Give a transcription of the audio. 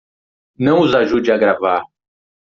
Não os ajude a gravar